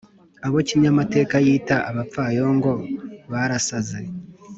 abo kinyamateka yita abapfayongo barasaze